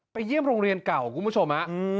เยี่ยมโรงเรียนเก่าคุณผู้ชมฮะ